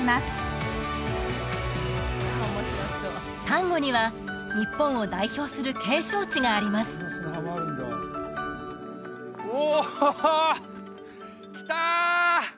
丹後には日本を代表する景勝地がありますうわハッハ来た！